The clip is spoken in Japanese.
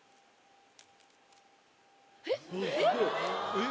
えっ？